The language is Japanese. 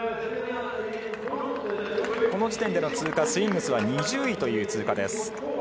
この時点での通過スウィングス２０位の通過です。